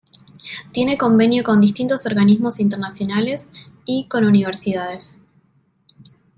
Tiene convenios con distintos organismos internacionales, y con universidades.